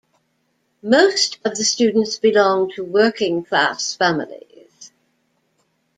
Most of the students belong to working class families.